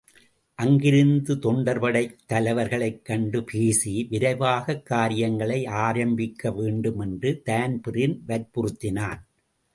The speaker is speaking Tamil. அங்கிருந்த்தொண்டர்படைத் தலைவர்களைக் கண்டு பேசி, விரைவாகக் காரியங்களை ஆரம்பிக்கவேண்டும் என்று தான்பிரீன் வர்புறுத்தினான்.